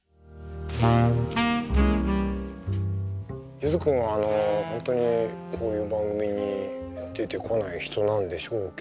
ゆづ君はあの本当にこういう番組に出てこない人なんでしょうけれども。